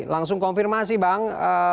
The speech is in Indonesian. langsung konfirmasi bang